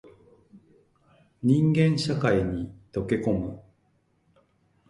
人間社会に溶け込む